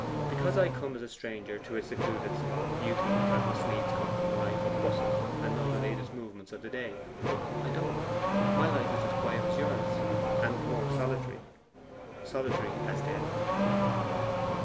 Because I come as a stranger to a secluded spot, you think I must needs come from a life of bustle, and know the latest movements of the day. But I don't. My life is as quiet as yours, and more solitary; solitary as death.